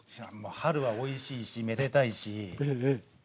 春はおいしいしめでたいしねえ。